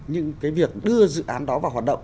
nhưng cái việc đưa dự án đó vào hoạt động